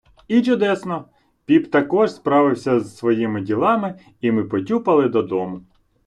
I чудесно! Піп також справився з своїми ділами, i ми потюпали додому.